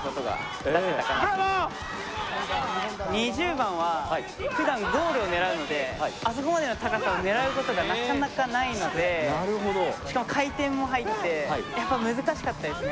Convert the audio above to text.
２０番はふだんゴールを狙うのであそこまでの高さを狙うことがなかなかないのでしかも回転も入って難しかったですね。